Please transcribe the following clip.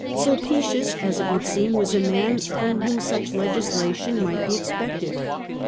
Sulpicius, as it would seem, was a man from whom such legislation might be expected.